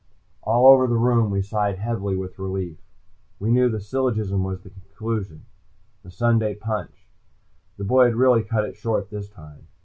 All over the room we sighed heavily with relief. We knew the syllogism was the conclusion, the Sunday punch. The boy had really cut it short this time.